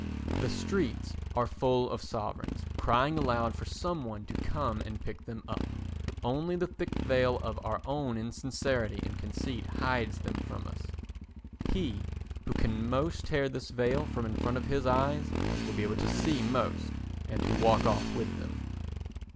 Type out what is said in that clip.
The streets are full of sovereigns crying aloud for some one to come and pick them up, only the thick veil of our own insincerity and conceit hides them from us. He who can most tear this veil from in front of his eyes will be able to see most and to walk off with them.